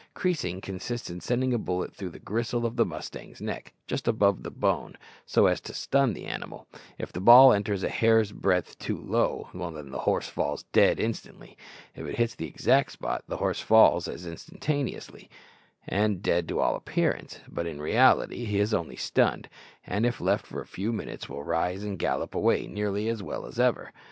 Creasing consists in sending a bullet through the gristle of the mustang's neck, just above the bone, so as to stun the animal. If the ball enters a hair's breadth too low, the horse falls dead instantly. If it hits the exact spot, the horse falls as instantaneously, and dead to all appearance; but, in reality, he is only stunned, and if left for a few minutes will rise and gallop away nearly as well as ever.